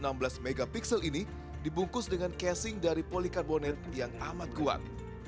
enam belas megapiksel ini dibungkus dengan casing dari polikarbonat yang amat kuat